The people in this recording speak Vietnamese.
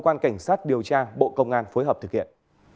cơ quan cảnh sát điều tra bộ công an phối hợp thực hiện